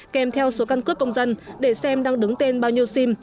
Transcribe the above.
kèm theo số căn cước công dân để xem đang đứng tên bao nhiêu sim